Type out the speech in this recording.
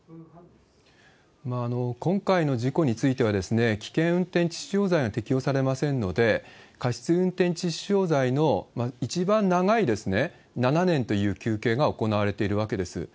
今回の事故については、危険運転致死傷罪が適用されませんので、過失運転致死傷罪の一番長い７年という求刑が行われているわけです。